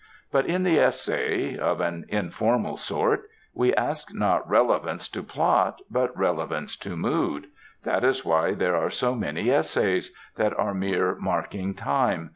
But in the essay (of an informal sort) we ask not relevance to plot, but relevance to mood. That is why there are so many essays that are mere marking time.